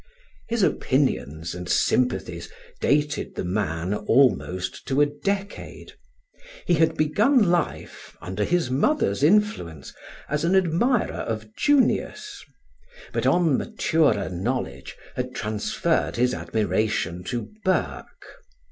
His opinions and sympathies dated the man almost to a decade. He had begun life, under his mother's influence, as an admirer of Junius, but on maturer knowledge had transferred his admiration to Burke.